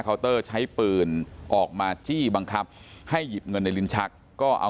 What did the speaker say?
เตอร์ใช้ปืนออกมาจี้บังคับให้หยิบเงินในลิ้นชักก็เอา